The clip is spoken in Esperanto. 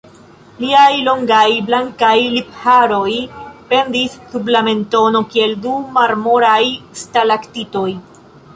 Liaj longaj blankaj lipharoj pendis sub la mentono kiel du marmoraj stalaktitoj.